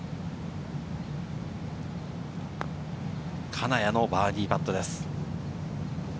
金谷のバーディーパットです。